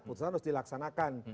putusan harus dilaksanakan